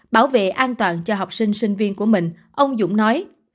bảo vệ an toàn cho học sinh sinh viên của mình ông dũng nói